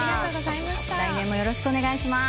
来年もよろしくお願いします。